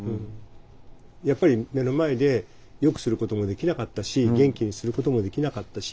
やっぱり目の前でよくすることもできなかったし元気にすることもできなかったし